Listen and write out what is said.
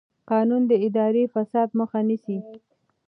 قانون د اداري فساد مخه نیسي.